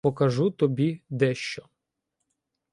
Покажу тобі дещо.